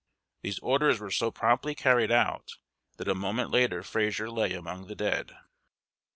These orders were so promptly carried out that a moment later Fraser lay among the dead.